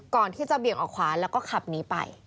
ก่อนที่จะเบี่ยงออกขวาแล้วก็ขับหนีไป